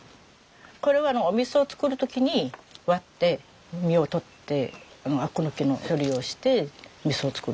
これはお味噌作る時に割って実をとってアク抜きの処理をして味噌を作る。